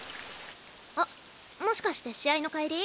あっもしかして試合の帰り？